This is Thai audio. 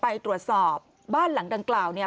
ไปตรวจสอบบ้านหลังดังกล่าวเนี่ย